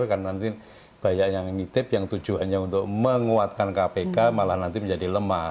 maksudnya itu kemudian banyak yang mengitip yang tujuannya untuk menguatkan kpk malah nanti menjadi lemah